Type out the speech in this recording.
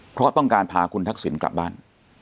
เพราะต้องการพาคุณทักษิณกลับบ้าน